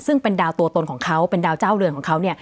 ซึ่งเป็นดาวตัวตนของเขาเป็นดาวเจ้าเรือนของเขาเนี่ย